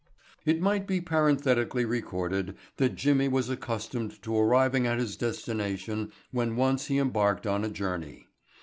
It might be parenthetically recorded that Jimmy was accustomed to arriving at his destination when once he embarked on a journey.